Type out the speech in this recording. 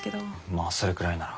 まあそれくらいなら。